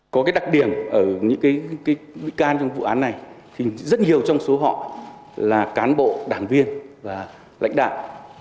có cái đặc điểm ở những cái bị can trong vụ án này thì rất nhiều trong số họ là cán bộ đảng viên và lãnh đạo